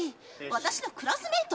私のクラスメート。